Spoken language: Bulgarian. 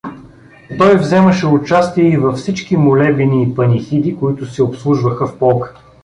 Той вземаше участие и във всички молебени и панихиди, които се отслужваха в полка.